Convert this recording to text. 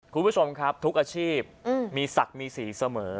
คุณผู้ชมครับทุกอาชีพมีศักดิ์มีสีเสมอ